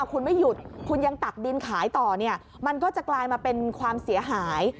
คุณไม่หยุดคุณยังตักดินขายต่อเนี่ยมันก็จะกลายมาเป็นความเสียหาย